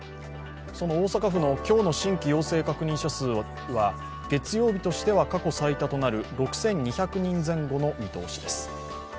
その大阪府の今日の新規陽性確認者数は月曜日としては過去最多となる６２００人前後の見通しです。